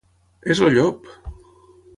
És el llop!